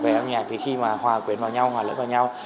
về âm nhạc thì khi mà hòa quyển vào nhau hòa lưỡi vào nhau